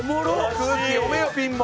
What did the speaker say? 空気読めよピンも。